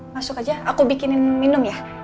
masuk aja aku bikinin minum ya